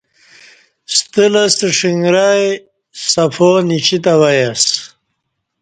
ستہ لستہ ݜݣرای صفا نشیتہ وای اسہ